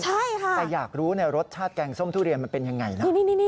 ใช่ค่ะแต่อยากรู้รสชาติแกงส้มทุเรียนมันเป็นยังไงนะ